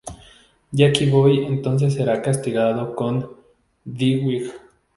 Jackie Boy entonces será castigado con Dwight.